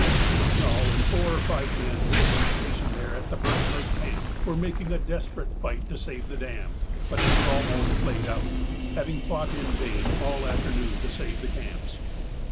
Pete Null, and four or five men who had been stationed there at the Birch Lake Camp, were making a desperate fight to save the dam, but they were almost played out, having fought in vain all afternoon to save the camps.